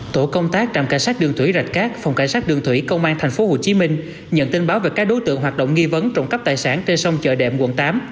tổ công tác trạm cảnh sát đường thủy rạch cát phòng cảnh sát đường thủy công an tp hcm nhận tin báo về các đối tượng hoạt động nghi vấn trộm cắp tài sản trên sông chợ đệm quận tám